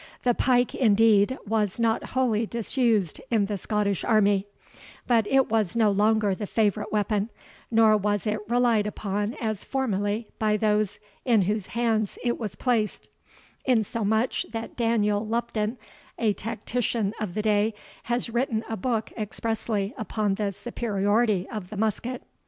The pike, indeed, was not wholly disused in the Scottish army; but it was no longer the favourite weapon, nor was it relied upon as formerly by those in whose hands it was placed; insomuch that Daniel Lupton, a tactician of the day, has written a book expressly upon the superiority of the musket.